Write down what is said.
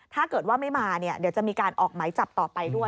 ถ้าเกิดว่าไม่มาเนี่ยเดี๋ยวจะมีการออกไหมจับต่อไปด้วย